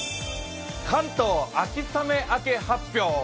関東、秋雨明け発表！